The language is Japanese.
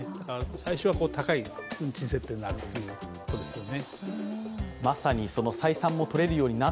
最初は高い運賃設定になるということですよね。